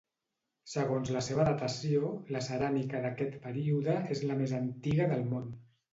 Segons la seva datació, la ceràmica d'aquest període és la més antiga del món.